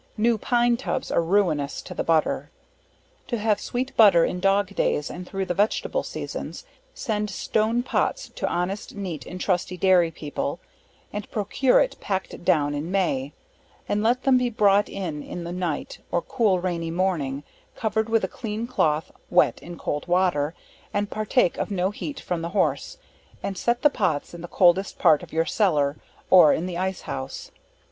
New pine tubs are ruinous to the butter. To have sweet butter in dog days, and thro' the vegetable seasons, send stone pots to honest, neat, and trusty dairy people, and procure it pack'd down in May, and let them be brought in in the night, or cool rainy morning, covered with a clean cloth wet in cold water, and partake of no heat from the horse, and set the pots in the coldest part of your cellar, or in the ice house.